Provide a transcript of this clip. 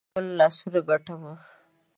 د شیرینو ولور په خپلو لاسو ګټمه.